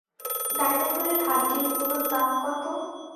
ডাইনোসরের হাড্ডির গুড়োর দাম কতো?